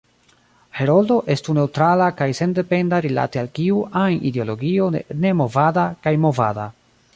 “Heroldo“ estu neŭtrala kaj sendependa rilate al kiu ajn ideologio nemovada kaj movada.